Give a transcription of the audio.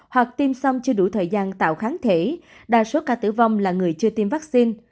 hoặc tiêm song chưa đủ thời gian tạo kháng thể đa số ca tử vong là người chưa tiêm vaccine